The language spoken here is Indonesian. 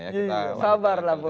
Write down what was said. iya sabarlah bung boni